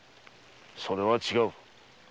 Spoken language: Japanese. それは違う。